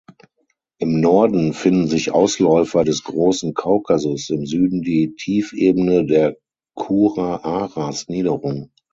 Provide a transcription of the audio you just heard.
Im Norden finden sich Ausläufer des Großen Kaukasus, im Süden die Tiefebene der Kura-Aras-Niederung.